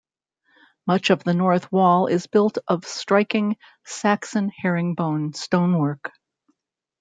Much of the north wall is built of striking Saxon herringbone stonework.